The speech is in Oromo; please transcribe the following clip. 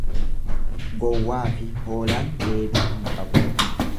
Gowwaafi hoolaan deebii hin qabu.